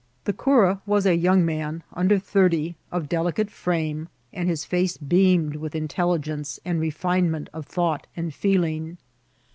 The cura was a young man, under thirty, of ddioatd frame, and his face beamed witii intdligenee and re^ finement of thought and feeUng.